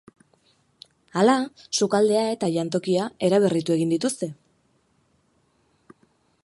Hala, sukaldea eta jantokia eraberritu egin dituzte.